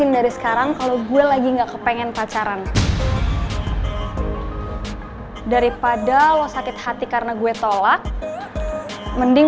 jadi tolong jangan lanjutin lagi